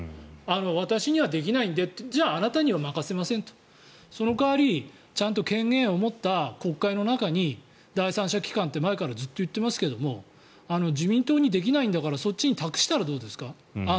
私にはできないんでじゃあ、あなたには任せませんとその代わりちゃんと権限を持った国会の中に第三者機関って前からずっと言っていますけれど自民党にできないんだからそっちに託したらどうですか。